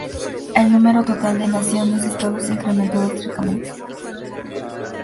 El número total de naciones estado se incrementó drásticamente.